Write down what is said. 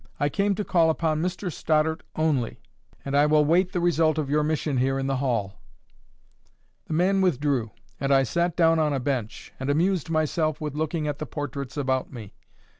"I came to call upon Mr Stoddart only, and I will wait the result of you mission here in the hall." The man withdrew, and I sat down on a bench, and amused myself with looking at the portraits about me.